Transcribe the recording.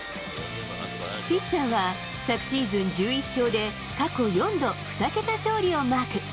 ピッチャーは、昨シーズン１１勝で、過去４度２桁勝利をマーク。